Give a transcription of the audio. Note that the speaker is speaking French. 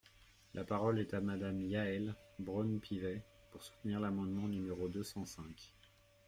La parole est à Madame Yaël Braun-Pivet, pour soutenir l’amendement numéro deux cent cinq.